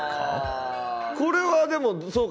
これはでもそうか。